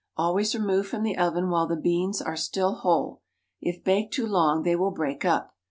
Always remove from the oven while the beans are still whole. If baked too long they will break up.